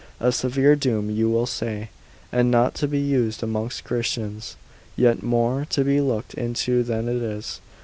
A severe doom you will say, and not to be used amongst Christians, yet more to be looked into than it is.